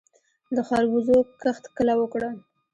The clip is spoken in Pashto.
د خربوزو کښت کله وکړم؟